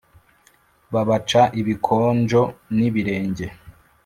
babaca ibikonjo n’ibirenge